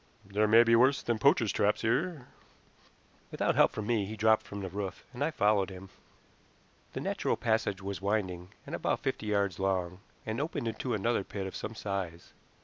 "There may be worse than poachers' traps here." Without help from me he dropped from the roof, and I followed him. The natural passage was winding, and about fifty yards long, and opened into another pit of some size.